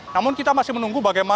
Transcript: namun kita masih menunggu bagaimana